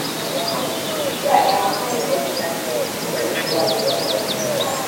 imyaka mike iri imbere izahita iguruka,